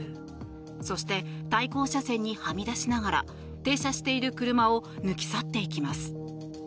そして対向車線にはみ出しながら停車している車を抜き去っていきます。